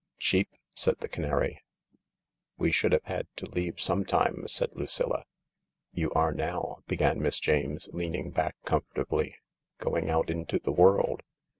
" Cheap I " said the canary. " We should have had to leave some time," said Lucilla. " You are now," began Miss James, leaning back com fortably, "going out into the world.